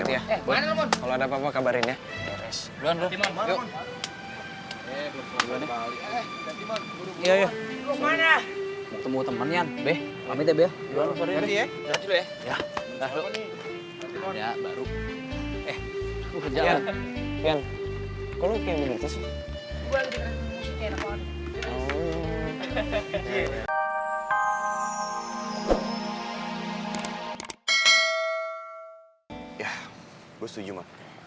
ya gue setuju mak